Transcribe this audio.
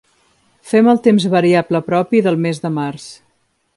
Fem el temps variable propi del mes de març.